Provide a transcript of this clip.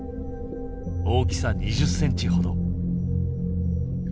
大きさ２０ｃｍ程。